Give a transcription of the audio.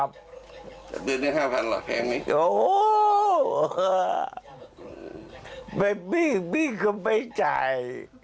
ไม่มีไม่มีคนไปจ่าย